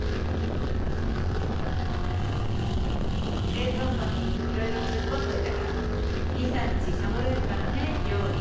冷蔵庫にいろいろ突っ込んどいたから２３日サボれるからね料理。